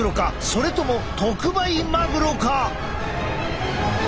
それとも特売マグロか？